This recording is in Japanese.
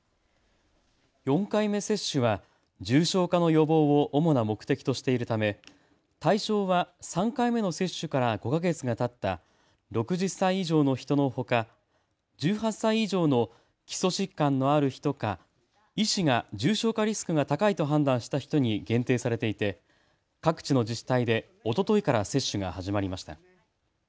４回目接種は重症化の予防を主な目的としているため対象は３回目の接種から５か月がたった６０歳以上の人のほか１８歳以上の基礎疾患のある人か医師が重症化リスクが高いと判断した人に限定されていて各地の自治体でおとといから接種が始まりました。